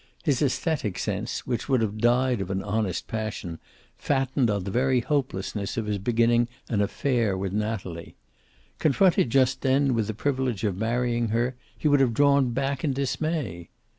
His aesthetic sense, which would have died of an honest passion, fattened on the very hopelessness of his beginning an affair with Natalie. Confronted just then with the privilege of marrying her, he would have drawn back in dismay.